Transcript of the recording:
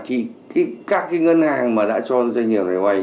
các cái ngân hàng mà đã cho doanh nghiệp này hoài